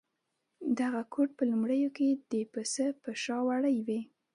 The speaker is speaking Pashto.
دغه کوټ په لومړیو کې د پسه په شا وړۍ وې.